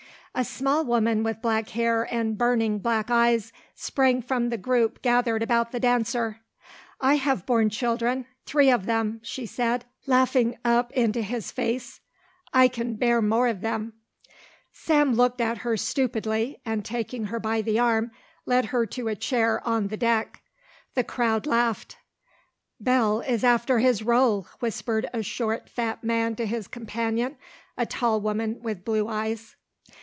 A small woman with black hair and burning black eyes sprang from the group gathered about the dancer. "I have borne children three of them," she said, laughing up into his face. "I can bear more of them." Sam looked at her stupidly and taking her by the arm led her to a chair on the deck. The crowd laughed. "Belle is after his roll," whispered a short, fat man to his companion, a tall woman with blue eyes.